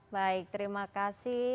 baik terima kasih